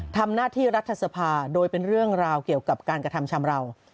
ทำหน้าที่รัฐสภาโดยเป็นเรื่องราวเกี่ยวกับการกระทำชำราว